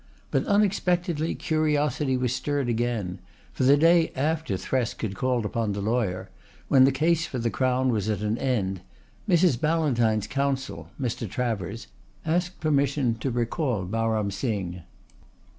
But unexpectedly curiosity was stirred again, for the day after Thresk had called upon the lawyer, when the case for the Crown was at an end, Mrs. Ballantyne's counsel, Mr. Travers, asked permission to recall Baram Singh.